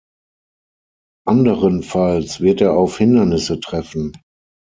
Anderenfalls wird er auf Hindernisse treffen.